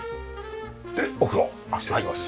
でお風呂失礼します。